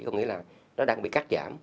có nghĩa là nó đang bị cắt giảm